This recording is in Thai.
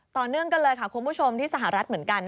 ต่อเนื่องกันค่ะครับคุณผู้ชมที่สหรัฐ